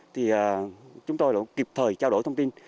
thì chúng tôi đã kịp thời trao đổi thông tin